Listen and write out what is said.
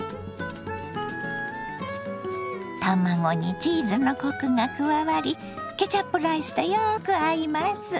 卵にチーズのコクが加わりケチャップライスとよく合います。